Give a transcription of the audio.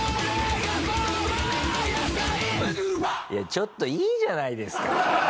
ちょっといいじゃないですか。